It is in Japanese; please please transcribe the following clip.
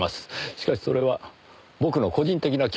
しかしそれは僕の個人的な気持ちです。